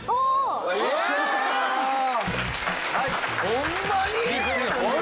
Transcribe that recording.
ホンマに？